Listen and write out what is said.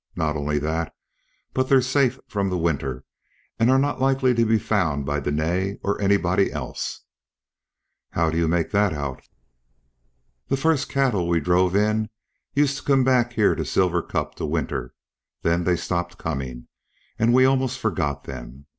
Not only that, but they're safe from the winter, and are not likely to be found by Dene or anybody else." "How do you make that out?" "The first cattle we drove in used to come back here to Silver Cup to winter. Then they stopped coming, and we almost forgot them.